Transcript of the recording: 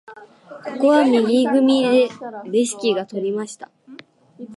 ここは右組でレシキが取りました。